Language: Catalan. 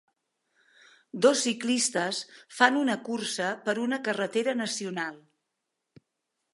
Dos ciclistes fan una cursa per una carretera nacional.